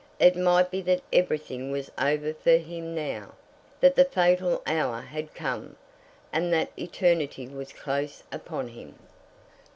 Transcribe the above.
It might be that everything was over for him now, that the fatal hour had come, and that eternity was close upon him.